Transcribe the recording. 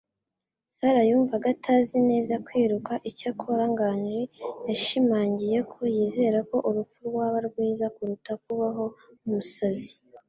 Sarah yumvaga atazi neza kwiruka, icyakora Nganji yashimangiye ko yizera ko urupfu rwaba rwiza kuruta kubaho nk'umusazi.